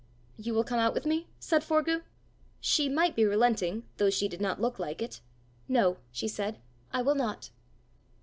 "You will come out with me?" said Forgue: she might be relenting, though she did not look like it! "No," she said; "I will not."